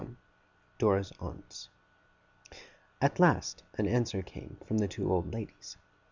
DORA'S AUNTS At last, an answer came from the two old ladies.